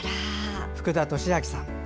福田智明さん。